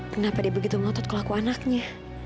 kenapa dia begitu ngotot kelaku anaknya